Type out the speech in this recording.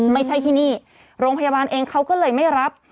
ไม่ใช่ที่นี่โรงพยาบาลเองเขาก็เลยไม่รับ